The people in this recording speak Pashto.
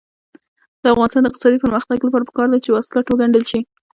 د افغانستان د اقتصادي پرمختګ لپاره پکار ده چې واسکټ وګنډل شي.